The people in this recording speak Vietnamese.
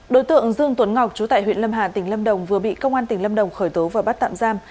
đối tượng dương tuấn ngọc chú tại huyện lâm hà tỉnh lâm đồng vừa bị công an tỉnh lâm đồng khởi tố và bắt tạm giam